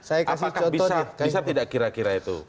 apakah bisa tidak kira kira itu